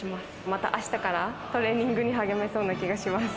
また明日からトレーニングに励めそうな気がします。